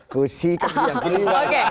kusi kan dia yang terlibat